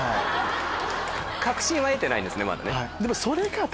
確信は得てないんですねまだね。